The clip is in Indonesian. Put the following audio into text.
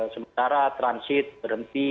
sementara transit berhenti